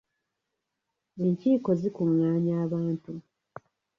Enkiiko zikungaanya abantu.